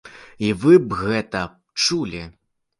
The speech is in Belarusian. І вы б гэта чулі!